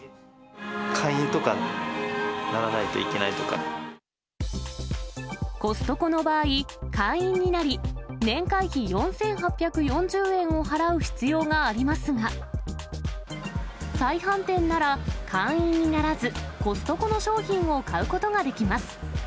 会員とかにならないといけなコストコの場合、会員になり、年会費４８４０円を払う必要がありますが、再販店なら、会員にならず、コストコの商品を買うことができます。